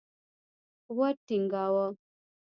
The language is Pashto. قوت ټینګاوه.